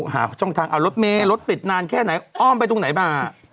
หาช่องทางเอารถเมย์รถติดนานแค่ไหนอ้อมไปตรงไหนมา